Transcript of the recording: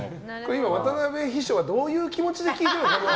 渡邊秘書はどういう気持ちで聞いているの？